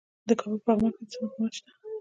د کابل په پغمان کې د سمنټو مواد شته.